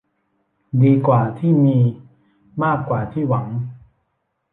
ดีกว่าที่มีมากกว่าที่หวัง